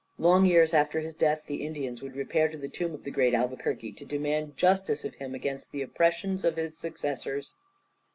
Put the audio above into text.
Long years after his death the Indians would repair to the tomb of the great Albuquerque, to demand justice of him against the oppressions of his successors."